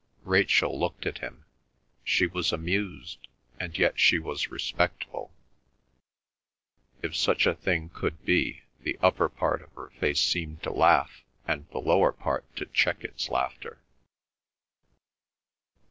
Rachel looked at him. She was amused, and yet she was respectful; if such a thing could be, the upper part of her face seemed to laugh, and the lower part to check its laughter.